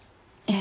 え？